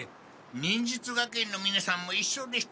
忍術学園のみなさんもいっしょでしたか。